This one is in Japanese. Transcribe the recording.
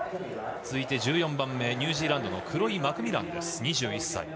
続いて１４番目ニュージーランドのクロイ・マクミラン、２１歳。